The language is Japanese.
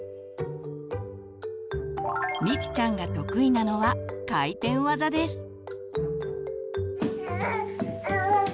りつちゃんが得意なのは回転技です。